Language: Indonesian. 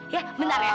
ya bentar ya